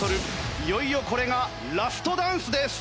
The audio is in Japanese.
いよいよこれがラストダンスです。